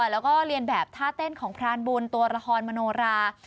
แล้วก็เรียนแบบท่าเต้นของพรานบุญตัวละครมโนรา